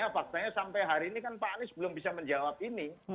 faktanya sampai hari ini kan pak anies belum bisa menjawab ini